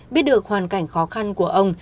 biết được hoàn cảnh khó khăn của ông